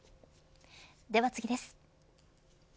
では次です。